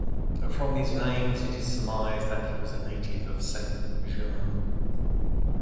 From his names, it is surmised that he was a native of Saint Germans.